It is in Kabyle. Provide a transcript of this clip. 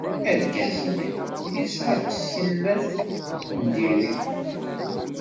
Argaz-nni yesɛa tisellat n diri.